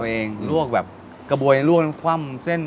กรับเองลวกแบบกระบวยร่วมว่ำเส้น